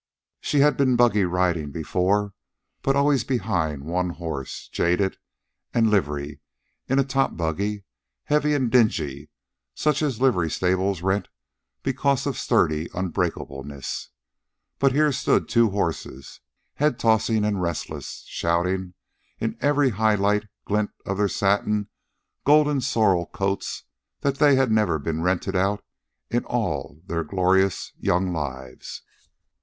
She had been buggy riding before, but always behind one horse, jaded, and livery, in a top buggy, heavy and dingy, such as livery stables rent because of sturdy unbreakableness. But here stood two horses, head tossing and restless, shouting in every high light glint of their satin, golden sorrel coats that they had never been rented out in all their glorious young lives.